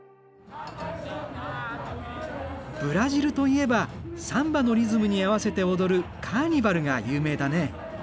ブラジルといえばサンバのリズムに合わせて踊るカーニバルが有名だね。